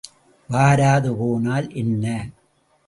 வராது போனால் என்ன?